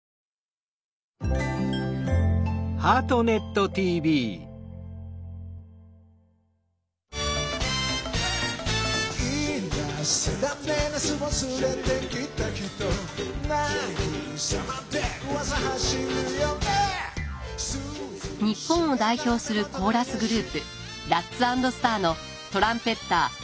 日本を代表するコーラスグループラッツ＆スターのトランペッター